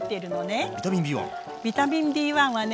ビタミンＢはね